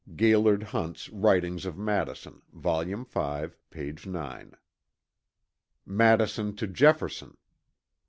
(Gaillard Hunt's Writings of Madison, Vol. V., p. 9.) Madison to Jefferson.